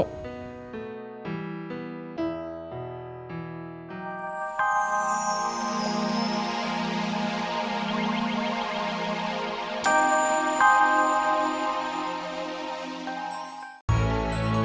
gw cuma liat timnya lagi